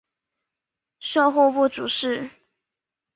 授户部主事。